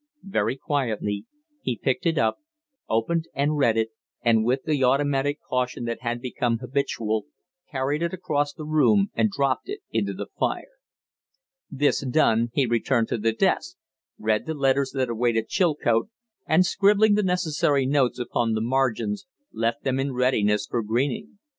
Very quietly he picked it up, opened and read it, and, with the automatic caution that had become habitual, carried it across the room and dropped it in the fire. This done, he returned to the desk, read the letters that awaited Chilcote, and, scribbling the necessary notes upon the margins, left them in readiness for Greening.